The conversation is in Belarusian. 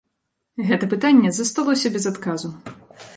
Гэта пытанне засталося без адказу!